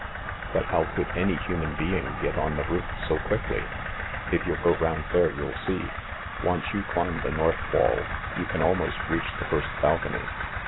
"But how could any human being get on the roof so quickly?" "If you'll go round there, you'll see. Once you climb the north wall, you can almost reach the first balcony.